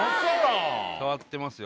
変わってますよ。